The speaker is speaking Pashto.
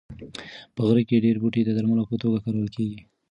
په غره کې ډېر بوټي د درملو په توګه کارول کېږي.